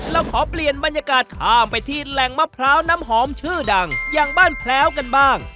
เราขอเปลี่ยนบรรยากาศข้ามไปที่แหล่งมะพร้าวน้ำหอมชื่อดังอย่างบ้านแพ้วกันบ้าง